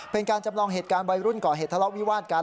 เป็นการจำลองเหตุการณ์วัยรุ่นก่อเหตุทะเลาะวิวาดกัน